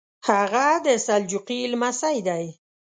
هغه د سلجوقي لمسی دی.